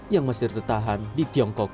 yang mesir tertahan di tiongkok